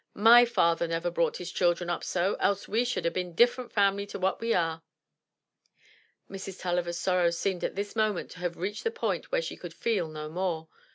My father never brought his children up so, else we should ha' been a different family to what we are." Mrs. TuUiver's sorrows seemed at this moment to have reached the point where she could feel no more.